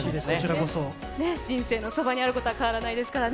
人生のそばにあることは変わらないですからね。